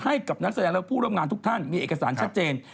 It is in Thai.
ให้กับนักแสดงและผู้ร่วมงานทุกท่านมีเอกสารชัดเจน